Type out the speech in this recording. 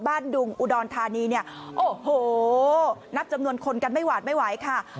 ดุงอุดรธานีเนี่ยโอ้โหนับจำนวนคนกันไม่หวาดไม่ไหวค่ะ